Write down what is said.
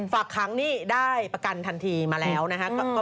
ฝากขังนี่ได้ประกันทันทีมาแล้วนะฮะ